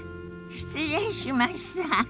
失礼しました。